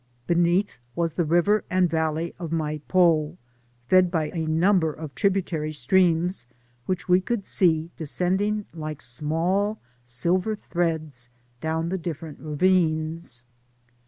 Beneath was the river and valley of Maypo, fed by a number of tributary streams, which we could see descending like small silver threads down the difiFerent ravines.